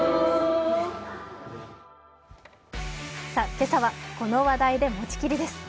今朝はこの話題でもちきりです。